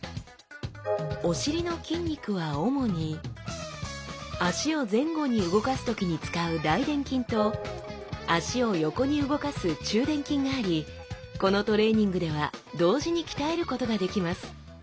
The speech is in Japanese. お尻の筋肉は主に脚を前後に動かす時に使う大臀筋と脚を横に動かす中臀筋がありこのトレーニングでは同時に鍛えることができます。